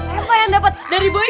reva yang dapat dari boy kan